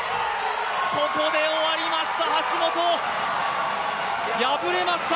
ここで終わりました、橋本、敗れました。